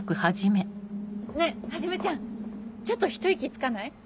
ねぇはじめちゃんちょっとひと息つかない？